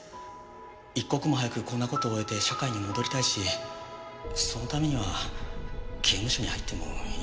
一刻も早くこんな事を終えて社会に戻りたいしそのためには刑務所に入ってもいい。